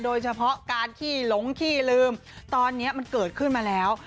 โดยเฉพาะการขี้หลงขี้ลืมตอนนี้มันเกิดขึ้นมาแล้ว